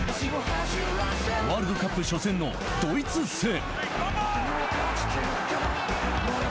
ワールドカップ初戦のドイツ戦。